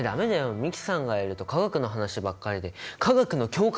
美樹さんがいると化学の話ばっかりで化学の強化